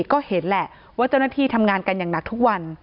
ก็เห็นแหละว่าเจ้าหน้าที่ทำงานกันอย่างหนักทุกวัน